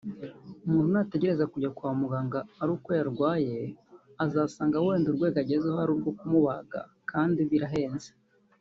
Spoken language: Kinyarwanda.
umuntu nategereza kujya kwa muganga ari uko yarwaye azasanga wenda urwego agezeho ari urwo kumubaga kandi birahenze